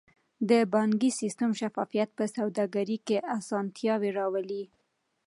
د بانکي سیستم شفافیت په سوداګرۍ کې اسانتیاوې راولي.